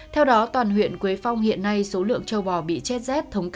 theo đó toàn huyện quế phong hiện nay số lượng châu bò bị chết rét